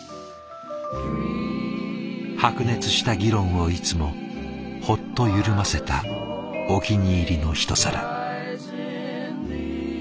白熱した議論をいつもホッと緩ませたお気に入りのひと皿。